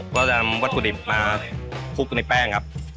ก็นำวัตถุดิบมาคลุกในแป้งครับ